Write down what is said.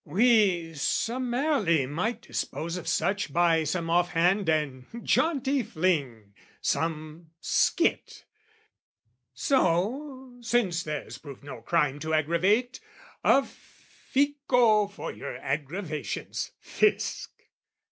We summarily might dispose of such By some off hand and jaunty fling, some skit "So, since there's proved no crime to aggravate, "A fico for your aggravations, Fisc!"